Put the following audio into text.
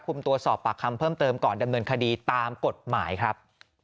ตัวสอบปากคำเพิ่มเติมก่อนดำเนินคดีตามกฎหมายครับ